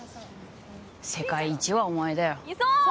世界一はお前だよ。